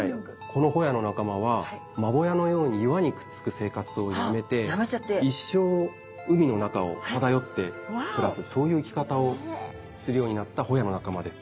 このホヤの仲間はマボヤのように岩にくっつく生活をやめて一生海の中を漂って暮らすそういう生き方をするようになったホヤの仲間です。